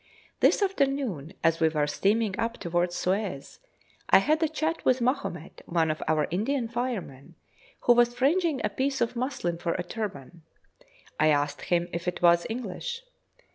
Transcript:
This afternoon, as we were steaming up towards Suez, I had a chat with Mahomet, one of our Indian firemen, who was fringing a piece of muslin for a turban. I asked him if it was English.